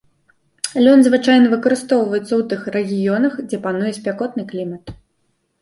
Лён звычайна выкарыстоўваецца ў тых рэгіёнах, дзе пануе спякотны клімат.